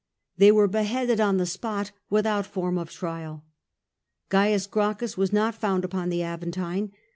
They were beheaded on the spot without form of trial. Oaius Gracchus was not found upon the Aven tine.